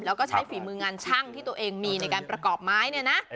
แล้วก็ใช้ฝีมืองานช่างที่ตัวเองมีในการประกอบไม้เนี่ยนะ